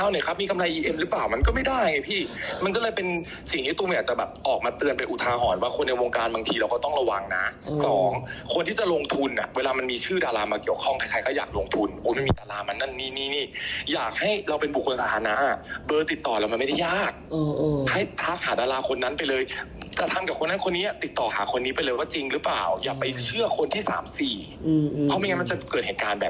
หรือว่าจริงหรือเปล่าอย่าไปเชื่อคนที่๓๔